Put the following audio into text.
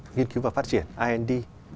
nghiên cứu và phát triển ind